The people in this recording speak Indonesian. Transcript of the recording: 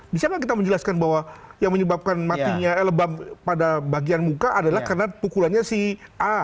bisa nggak kita menjelaskan bahwa yang menyebabkan matinya lebam pada bagian muka adalah karena pukulannya si a